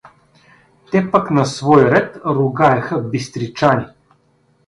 Те пък на свой ред ругаеха бистричани.